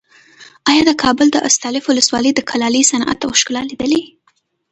ایا د کابل د استالف ولسوالۍ د کلالۍ صنعت او ښکلا دې لیدلې؟